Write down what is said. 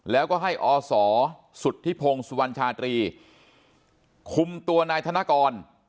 แล้วก็ให้อศสุธิพงศ์สุวรรณชาตรีคุมตัวนายธนกร